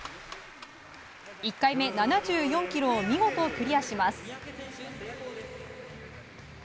１回目、７４ｋｇを見事クリアします。